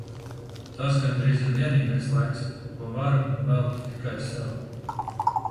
Tas gandrīz ir vienīgais laiks, ko varu un veltu tikai sev.